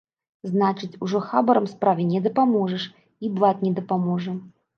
Значыць, ужо хабарам справе не дапаможаш і блат не дапаможа?